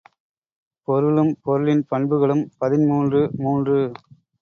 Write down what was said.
பொருளும் பொருளின் பண்புகளும் பதிமூன்று மூன்று.